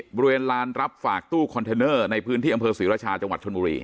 บริเวณลานรับฝากตู้คอนเทนเนอร์ในพื้นที่อำเภอศรีราชาจังหวัดชนบุรี